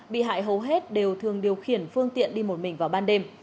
bị hại hầu hết đều thường điều khiển phương tiện đi một mình vào ban đêm